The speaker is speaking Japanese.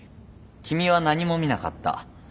君は何も見なかった。